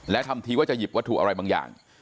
ทำทีว่าจะหยิบวัตถุอะไรบางอย่าง